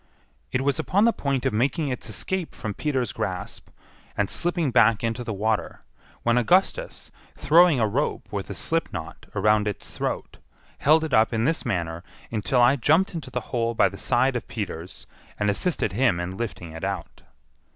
It was upon the point of making its escape from Peter's grasp, and slipping back into the water, when Augustus, throwing a rope with a slipknot around its throat, held it up in this manner until I jumped into the hole by the side of Peters, and assisted him in lifting it out.